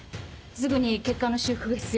すぐに血管の修復が必要。